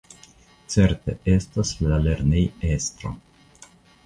Certe estas la lernejestro.